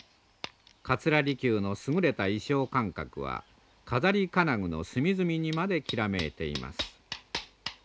桂離宮の優れた意匠感覚は飾り金具の隅々にまできらめいています。